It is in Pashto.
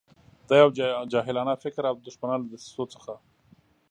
دا یو جاهلانه فکر او د دښمنانو له دسیسو څخه.